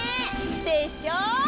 でしょ！